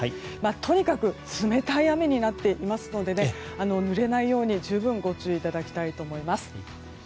とにかく冷たい雨になっていますのでねぬれないように、十分ご注意いただきたいと思います。